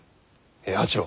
平八郎。